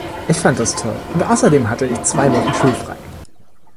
Ich fand das toll, und außerdem hatte ich zwei Wochen schulfrei.